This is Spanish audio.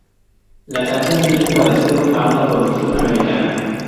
La canción tiene un parecido a una "producción americana".